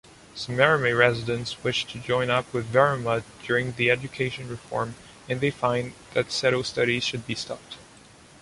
Some Meremäe residents wish to join up with Võrumaa during the education reform and they find that Seto studies should be stopped.